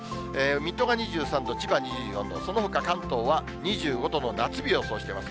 水戸が２３度、千葉２４度、そのほか関東は２５度の夏日を予想しています。